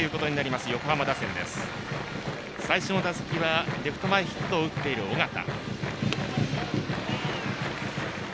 バッター、最初の打席はレフト前ヒットを打っている緒方。